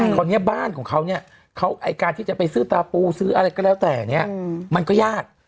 คราวนี้บ้านของเขาเนี่ยเขาไอ้การที่จะไปซื้อตาปูซื้ออะไรก็แล้วแต่เนี่ยมันก็ยาก